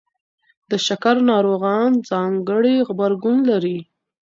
د شکر ناروغان ځانګړی غبرګون لري.